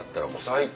最高。